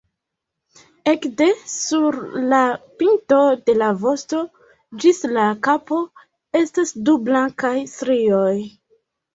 Ekde sur la pinto de la vosto ĝis la kapo estas du blankaj strioj.